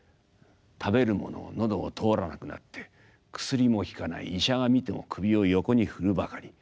食べる物も喉を通らなくなって薬も効かない医者が診ても首を横に振るばかり。